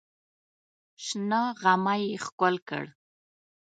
شنه غمی یې ښکل کړ.